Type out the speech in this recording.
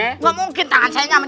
tidak mungkin tangan saya tidak sampai